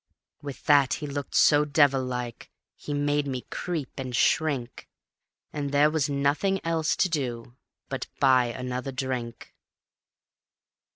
With that he looked so devil like he made me creep and shrink, And there was nothing else to do but buy another drink.